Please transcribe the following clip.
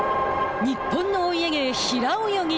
日本のお家芸、平泳ぎ。